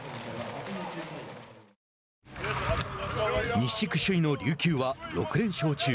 西地区首位の琉球は６連勝中。